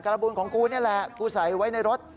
ระบูลของกูนี่แหละกูใส่ไว้ในรถ